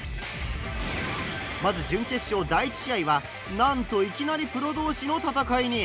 まず準決勝第１試合はなんといきなりプロ同士の戦いに！